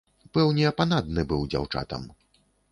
Пэўне, панадны быў дзяўчатам.